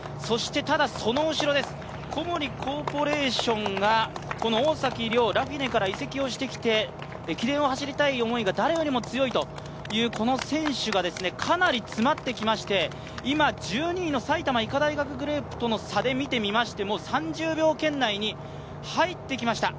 ただその後ろです、小森コーポレーションが大崎遼、ラフィネから移籍をしてきて駅伝を走りたいという思いが誰よりも強いという選手が、かなり詰まってきまして今、１２位の埼玉医科大学グループとの差で見てみましても３０秒圏内に入ってきました。